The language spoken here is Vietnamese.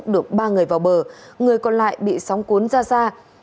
được ba người vào bờ người còn lại bị sóng cuốn ra xa